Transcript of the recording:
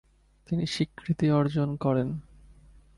তিনি স্বীকৃতি অর্জন করেন।